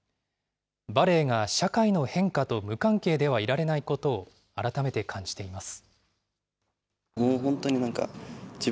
バレエが社会の変化と無関係ではいられないことを改めて感じています。